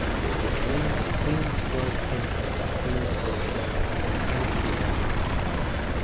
It links Queen's Road Central to Queen's Road East and Hennessy Road.